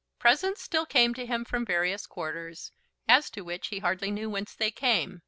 Presents still came to him from various quarters, as to which he hardly knew whence they came.